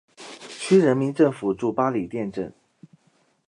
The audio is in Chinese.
区人民政府驻八里店镇。